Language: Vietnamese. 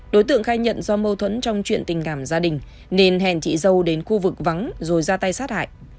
đối tượng khai nhận do mâu thuẫn trong chuyện tình cảm gia đình nên hẹn chị dâu đến khu vực vắng rồi ra tay sát hại